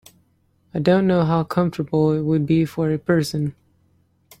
I don’t know how comfortable it would be for a person.